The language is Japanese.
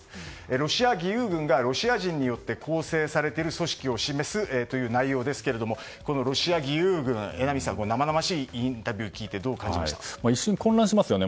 ロシア義勇軍がロシア人によって構成されている組織と示す内容ということですがロシア義勇軍、榎並さん生々しいインタビューを聞いて一瞬混乱しますよね。